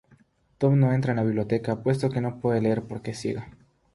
Toph no entra en la biblioteca puesto que no puede leer, porque es ciega.